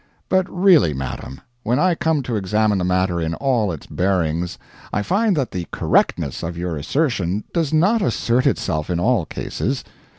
But really, madam, when I come to examine the matter in all its bearings, I find that the correctness of your assertion does not assert itself in all cases.